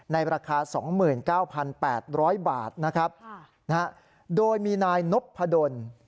ในราคา๒๙๘๐๐บาทนะครับโดยมีนายนพดล